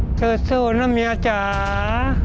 กล่อข้าวหลามใส่กระบอกจำนวน๑๒กระบอกภายในเวลา๓นาที